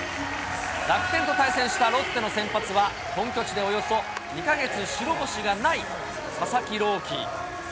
楽天と対戦したロッテの先発は、本拠地でおよそ２か月白星がない佐々木朗希。